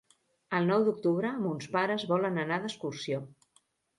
El nou d'octubre mons pares volen anar d'excursió.